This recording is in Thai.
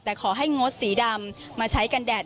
แต่ขอให้งดสีดำมาใช้กันแดด